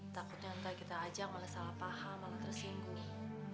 takutnya ntar kita aja malah salah paham malah tersinggung